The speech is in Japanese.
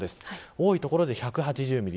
多い所で１８０ミリ